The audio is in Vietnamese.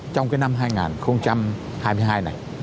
trong cái năm hai nghìn hai mươi hai này